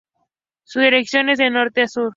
Su dirección es de norte a sur.